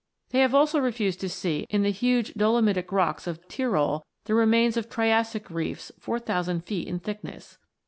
They have also refused to see in the huge dolomitic rocks of Tyrol the remains of Triassic reefs four thousand feet in thickness.